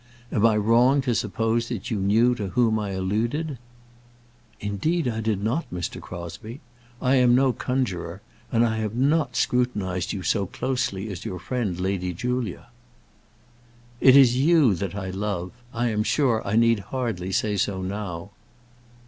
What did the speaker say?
Am I wrong to suppose that you knew to whom I alluded?" "Indeed, I did not, Mr. Crosbie. I am no conjuror, and I have not scrutinized you so closely as your friend Lady Julia." "It is you that I love. I am sure I need hardly say so now."